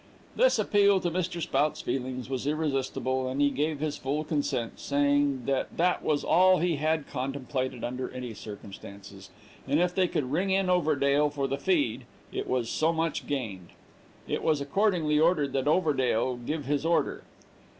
This appeal to Mr. Spout's feelings was irresistible, and he gave his full consent, saying that that was all he had contemplated under any circumstances, and if they could ring in Overdale for the feed, it was so much gained. It was accordingly ordered that Overdale give his order.